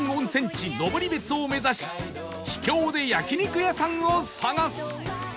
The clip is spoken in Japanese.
登別を目指し秘境で焼肉屋さんを探す